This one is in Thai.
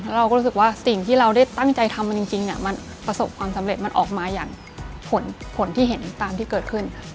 เราก็รู้สึกว่าสิ่งที่เราได้ตั้งใจทำมันจริงมันประสบความสำเร็จมันออกมาอย่างผลที่เห็นตามที่เกิดขึ้น